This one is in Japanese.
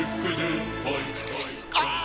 ああ！